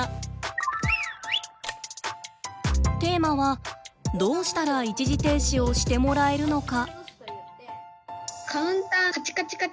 テーマはどうしたら一時停止をしてもらえるのか。